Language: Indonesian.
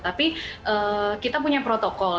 tapi kita punya protokol